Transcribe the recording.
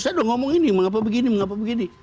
saya udah ngomong ini mengapa begini mengapa begini